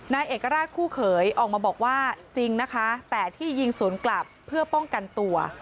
นายเอกราชคู่เขยออกมาบอกว่าจริงนะคะแต่ที่ยิงสวนกลับเพื่อป้องกันตัว